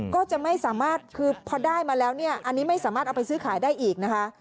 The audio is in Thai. ก็จะไม่สามารถคือพอได้มาแล้วเนี่ยอันนี้ไม่สามารถเอาไปซื้อขายได้อีกนะคะ